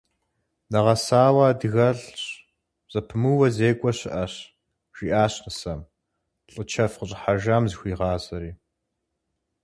Нэгъэсауэ адыгэлӏщ, зэпымыууэ зекӏуэ щыӏэщ, жиӏащ нысэм, лӏы чэф къыщӏыхьэжам зыхуигъазри.